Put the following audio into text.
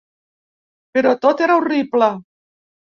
Però tot era horrible.